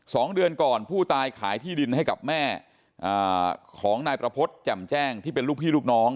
สองเดือนก่อนผู้ตายขายที่ดินให้กับแม่อ่าของนายประพฤติแจ่มแจ้งที่เป็นลูกพี่ลูกน้อง